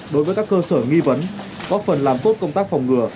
đối với các cơ sở nghi vấn góp phần làm tốt công tác phòng ngừa